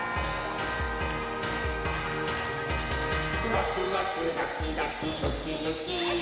「ワクワクドキドキウキウキ」ウッキー！